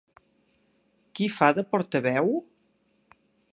Qui fa de portaveu?